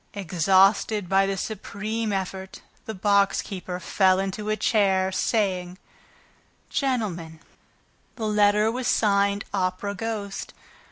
Exhausted by this supreme effort, the box keeper fell into a chair, saying: "Gentlemen, the letter was signed, 'Opera Ghost.'